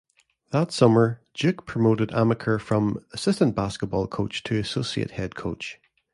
That summer, Duke promoted Amaker from assistant basketball coach to associate head coach.